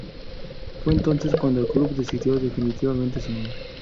Fue entonces cuando el club decidió definitivamente su nombre.